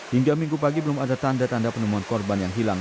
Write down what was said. hingga minggu pagi belum ada tanda tanda penemuan korban yang hilang